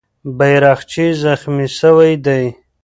بیرغچی زخمي سوی دی.